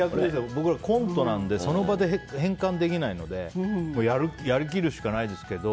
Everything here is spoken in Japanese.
僕らコントなのでその場で変換できないのでやりきるしかないですけど。